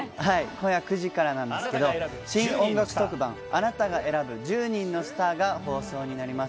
今夜９時からなんですけど新音楽特番『あなたが選ぶ１０人のスター』が放送になります。